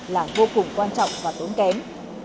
là vô cùng quan trọng và tốn kém